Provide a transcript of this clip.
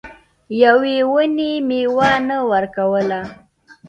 یوې ونې میوه نه ورکوله.